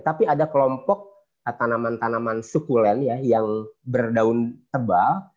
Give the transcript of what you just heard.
tapi ada kelompok tanaman tanaman sukulen yang berdaun tebal